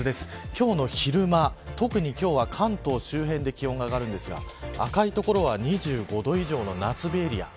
今日の昼間、特に今日は関東周辺で気温が上がるんですが赤い所は２５度以上の夏日エリア。